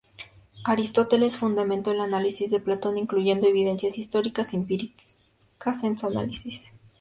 Aristóteles fundamentó el análisis de Platón incluyendo evidencias históricas empíricas en su análisis.